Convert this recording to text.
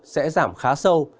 sẽ giảm khá sâu